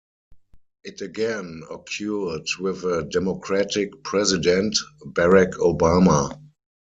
It again occurred with a Democratic President, Barack Obama.